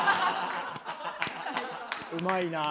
うまいなあ。